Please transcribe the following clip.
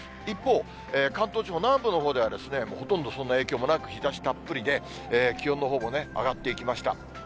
一方、関東地方、南部のほうでは、もうほとんど、そんな影響もなく、日ざしたっぷりで、気温のほうも上がっていきました。